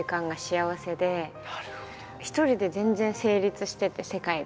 一人で全然成立してて世界が。